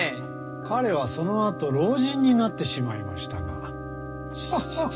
彼はその後老人になってしまいましたが。